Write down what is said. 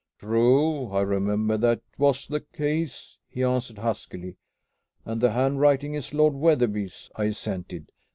"True. I remember that that was the case," he answered huskily. "And the handwriting is Lord Wetherby's." I assented.